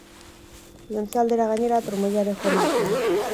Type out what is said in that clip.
Iluntze aldera gainera, trumoia ere jo omen zuen.